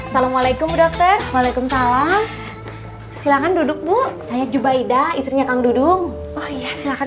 assalamualaikum waalaikumsalam silakan duduk bu saya jubaidah istrinya kang dudung oh iya silakan